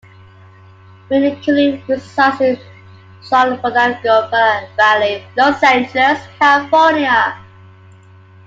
Moon currently resides in San Fernando Valley, Los Angeles, California.